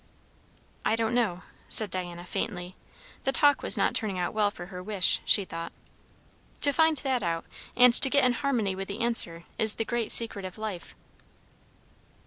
"I don't know," said Diana faintly. The talk was not turning out well for her wish, she thought. "To find that out, and to get in harmony with the answer, is the great secret of life."